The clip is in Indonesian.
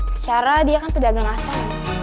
secara dia kan pedagang asam